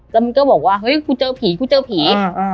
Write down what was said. แล้วมันก็บอกว่าเฮ้ยกูเจอผีกูเจอผี